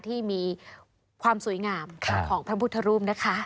ที่มีความสวยงามของพระพุทธรูปนะคะ